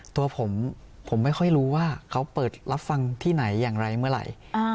ตัวผมผมไม่ค่อยรู้ว่าเขาเปิดรับฟังที่ไหนอย่างไรเมื่อไหร่